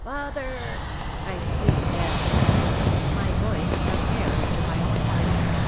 "Father!" I screamed down. My voice struck terror into my own heart.